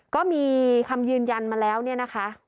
ก็มีคำยืนยันมาแล้วเนี่ยนะคะ